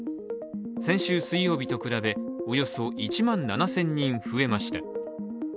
先週水曜日と比べおよそ１万７０００人増えました。